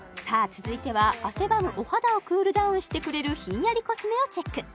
続いては汗ばむお肌をクールダウンしてくれるひんやりコスメをチェック